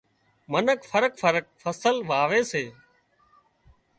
منک فرق فرق فصل واوي سي